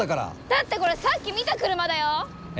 だってこれさっき見た車だよ？